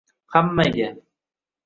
Hammaga